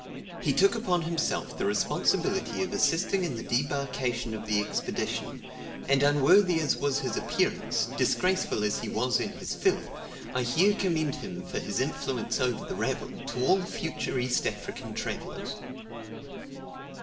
He took upon himself the responsibility of assisting in the debarkation of the Expedition, and unworthy as was his appearance, disgraceful as he was in his filth, I here commend him for his influence over the rabble to all future East African travellers.